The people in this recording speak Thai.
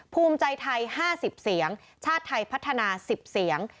ภูมิใจไทย๕๐เสียงชาติไทยพัฒนา๑๐เสียง